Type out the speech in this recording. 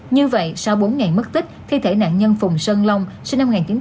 như vậy sau bốn ngày mất tích thi thể nạn nhân phùng sơn long sinh năm một nghìn chín trăm tám mươi